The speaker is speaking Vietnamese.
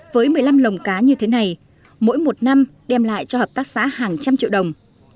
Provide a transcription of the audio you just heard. với một mươi năm lồng cá như thế này mỗi một năm đem lại cho hợp tác xã hàng trăm triệu đồng